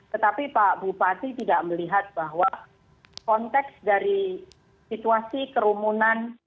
tetapi pak bupati tidak melihat bahwa konteks dari situasi kerumunan